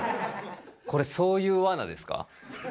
これ、そういうわなですか？